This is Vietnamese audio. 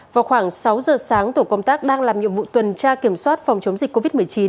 vào khoảng sáu giờ sáng tổ công tác đang làm nhiệm vụ tuần tra kiểm soát phòng chống dịch covid một mươi chín